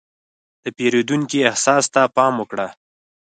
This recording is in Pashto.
د پیرودونکي احساس ته پام وکړه.